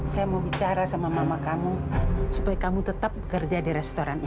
saya mau bicara sama mama kamu supaya kamu tetap bekerja di restoran